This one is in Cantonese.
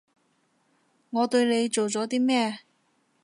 我對你做咗啲咩？